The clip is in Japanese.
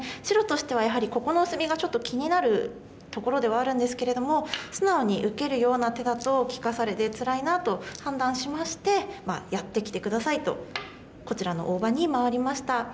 白としてはやはりここの薄みがちょっと気になるところではあるんですけれども素直に受けるような手だと利かされてつらいなと判断しまして「やってきて下さい」とこちらの大場に回りました。